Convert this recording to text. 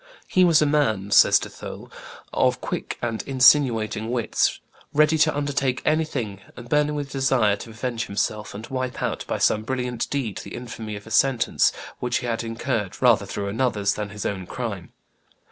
"He was a man," says De Thou, "of quick and insinuating wits, ready to undertake anything, and burning with desire to avenge himself, and wipe out, by some brilliant deed, the infamy of a sentence which he had incurred rather through another's than his own crime.